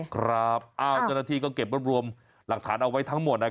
ครับอ้าวจ้าหน้าที่ก็เก็บร่างรวมหลักฐานเอาไว้ทั้งหมดนะครับ